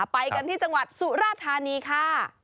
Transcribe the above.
ไปกันที่จังหวัดสุราธานีค่ะ